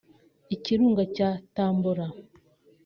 Ikirunga cya Tambora